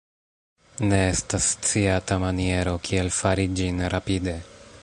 Ne estas sciata maniero kiel fari ĝin rapide.